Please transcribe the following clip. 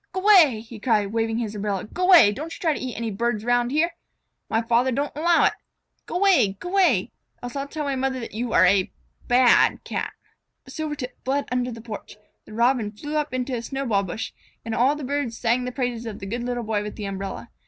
"G'way!" he cried, waving his umbrella. "G'way! Don't you try to eat any birds 'round here. My father doesn't 'low it. G'way! G'way! Else I'll tell my mother that you are a bad Cat." Silvertip fled under the porch, the Robin flew up onto the snowball bush, and all around the birds sang the praises of the good Little Boy with the umbrella.